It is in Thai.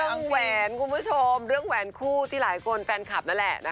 แหวนคุณผู้ชมเรื่องแหวนคู่ที่หลายคนแฟนคลับนั่นแหละนะคะ